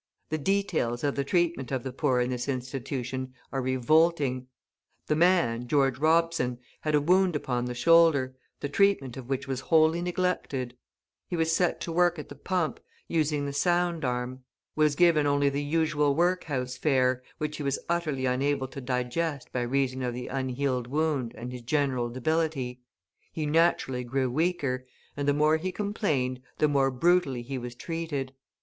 The details of the treatment of the poor in this institution are revolting. The man, George Robson, had a wound upon the shoulder, the treatment of which was wholly neglected; he was set to work at the pump, using the sound arm; was given only the usual workhouse fare, which he was utterly unable to digest by reason of the unhealed wound and his general debility; he naturally grew weaker, and the more he complained, the more brutally he was treated.